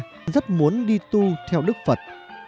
ngày xưa có một naga rất muốn đi tu theo đức phật